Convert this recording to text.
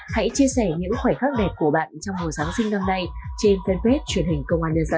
hãy chia sẻ những khoảnh khắc đẹp của bạn trong mùa giáng sinh năm nay trên fanpage truyền hình công an nhân dân